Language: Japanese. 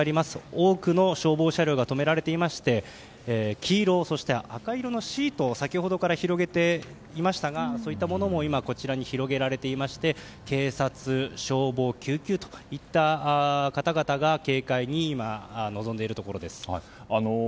多くの消防車両が止められていまして黄色、赤色のシートを先ほどから広げていましたがそういったものも今こちらに広げられていまして警察、消防、救急といった方々が警戒に臨んでいるところです。